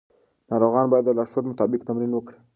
ناروغان باید د لارښود مطابق تمرین وکړي.